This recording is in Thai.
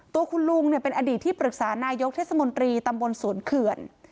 ตัวคุณลุงเป็นอดีตที่ปรึกษานายกเทศมนตรีตำบลสวนเขื่อน